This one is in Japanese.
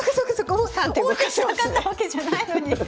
王手したかったわけじゃないのに。